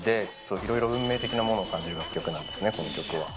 いろいろ運命的なものを感じる楽曲なんですね、この曲は。